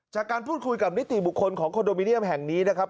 จากการพูดคุยกับนิติบุคคลของคอนโดมิเนียมแห่งนี้นะครับ